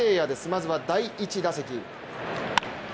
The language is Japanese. まずは第１打席。